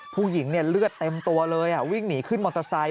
ผู้หญิงเลือดเต็มตัวเลยวิ่งหนีขึ้นมอเตอร์ไซค